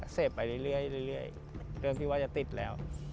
เสพไปเรื่อยเริ่มที่ว่าจะติดแล้ว